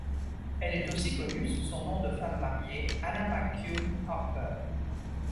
Elle est aussi connue sous son nom de femme mariée, Anna McCune-Harper.